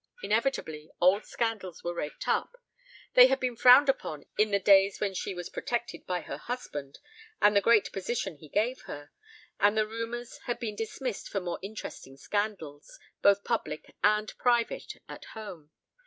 Inevitably, old scandals were raked up. They had been frowned upon in the days when she was protected by her husband and the great position he gave her, and the rumors had been dismissed for more interesting scandals, both public and private, at home.